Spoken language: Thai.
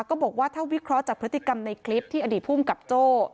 ก็บอกว่าถ้าวิเคราะห์จากพฤติกรรมในคลิปที่อดีตภูมิกับโจ้